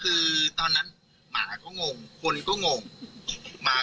คือตอนนั้นหมากกว่าอะไรอย่างเงี้ย